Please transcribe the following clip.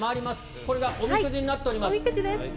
これがおみくじになっております。